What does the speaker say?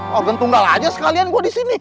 mau gantunggal aja sekalian gue disini